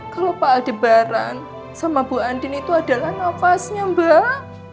kalau pak aldebaran sama ibu andien itu adalah nafasnya mbak